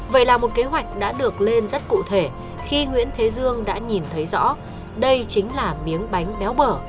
vậy là một kế hoạch đã được lên rất cụ thể khi nguyễn thế dương đã nhìn thấy rõ đây chính là miếng bánh béo bở